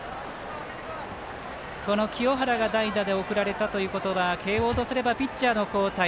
清原が代打で送られたということは慶応とすれば、ピッチャーの交代。